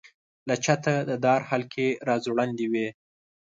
له چته د دار حلقې را ځوړندې وې.